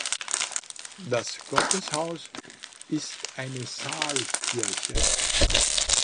Das Gotteshaus ist eine Saalkirche.